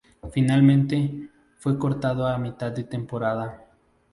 Finalmente, fue cortado a mitad de temporada.